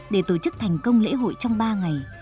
để tổ chức thành công lễ hội trong ba ngày